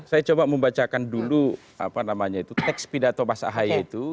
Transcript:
saya coba membacakan dulu apa namanya itu teks pidato mas ahy itu